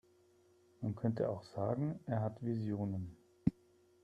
Man könnte auch sagen, er hat Visionen.